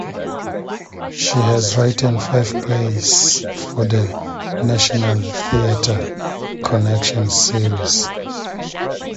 She has written five plays for the National Theatre Connections series.